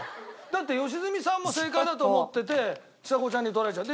だって良純さんも正解だと思っててちさ子ちゃんに取られちゃう。